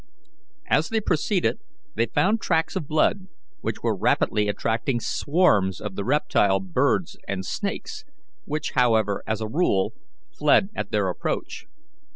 As they proceeded they found tracks of blood, which were rapidly attracting swarms of the reptile birds and snakes, which, however, as a rule, fled at their approach.